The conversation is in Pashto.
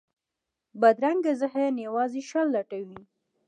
بدرنګه ذهن یوازې شر لټوي